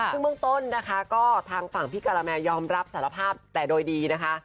ซึ่งเบื้องต้นนะคะก็ทางฝั่งพี่การาแมนยอมรับสารภาพแต่โดยดีนะคะ